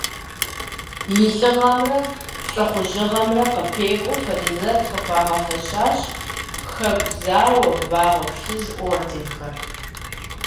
И лӏыгъэмрэ лӏыхъужьыгъэмрэ къыпэкӏуэу, Фаризэт къыхуагъэфэщащ Хэку зауэ, Вагъуэ Плъыжь орденхэр.